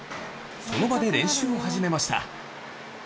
その場で練習を始めました